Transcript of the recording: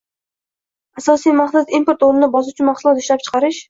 Asosiy maqsad import o‘rnini bosuvchi mahsulot ishlab chiqarish